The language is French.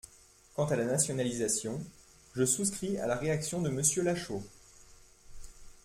Quant à la nationalisation, je souscris à la réaction de Monsieur Lachaud.